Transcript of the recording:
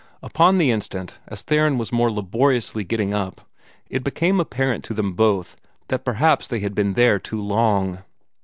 Upon the instant, as Theron was more laboriously getting up, it became apparent to them both that perhaps they had been there too long.